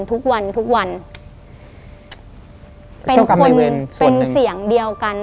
เป็นคนเป็นเสียงเดียวกัน